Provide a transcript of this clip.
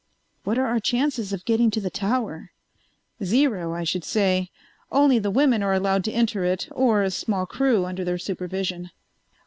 "What are our chances of getting to the tower?" "Zero, I should say. Only the women are allowed to enter it, or a small crew under their supervision."